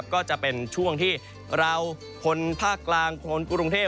ก็จะเป็นช่วงที่เราคนภาคกลางคนกรุงเทพ